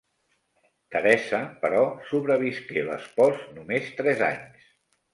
Teresa, però, sobrevisqué l'espòs només tres anys.